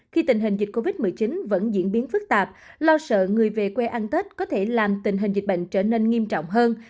khi tình hình dịch covid một mươi chín vẫn diễn biến phức tạp lo sợ người về quê ăn tết có thể làm tình hình dịch bệnh trở nên nghiêm trọng hơn